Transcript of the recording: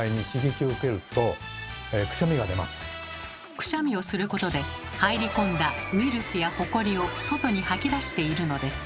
くしゃみをすることで入り込んだウイルスやホコリを外に吐き出しているのです。